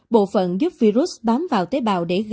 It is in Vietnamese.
bộ phận giúp virus bám vào tếp